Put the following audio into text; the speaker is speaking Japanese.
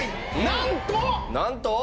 なんと。